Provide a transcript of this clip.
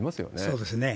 そうですね。